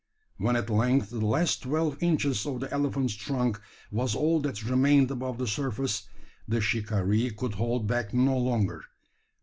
When at length the last twelve inches of the elephant's trunk was all that remained above the surface, the shikaree could hold back no longer.